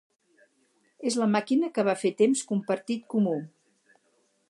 És la màquina que va fer temps compartit comú.